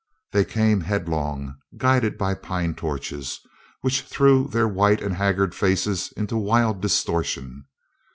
They came headlong, guided by pine torches, which threw their white and haggard faces into wild distortion.